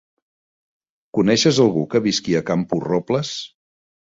Coneixes algú que visqui a Camporrobles?